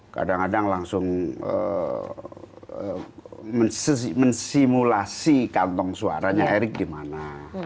kadang kadang langsung mensimulasi kantong suaranya erick di mana